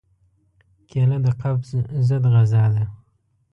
کېله د قبض ضد غذا ده.